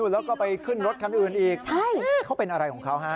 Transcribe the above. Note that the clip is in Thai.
แล้วก็ไปขึ้นรถคันอื่นอีกเขาเป็นอะไรของเขาฮะ